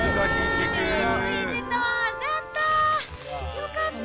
よかった